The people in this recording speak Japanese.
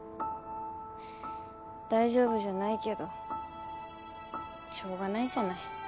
大丈夫じゃないけどしょうがないじゃない。